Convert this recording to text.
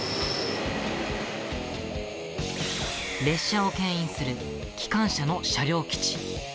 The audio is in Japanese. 列車をけん引する機関車の車両基地。